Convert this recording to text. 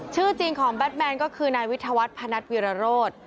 ชื่อจริงของแบตแมนน่ะก็คือไนวิทะวัฒน์พระนัทวิราโรฑ